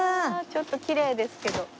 ちょっときれいですけど。